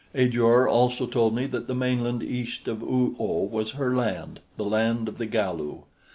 Ajor also told me that the mainland east of Oo oh was her land the land of the Galu.